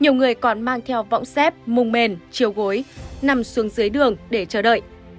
nhiều người còn mang theo vọng xếp mùng mền chiều gối nằm xuống dưới đường để chờ đợi